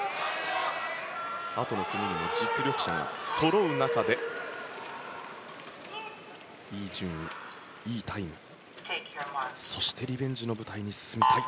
あとの組にも実力者がそろう中でいい順位、いいタイム、そしてリベンジの舞台に進みたい。